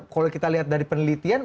kalau kita lihat dari penelitian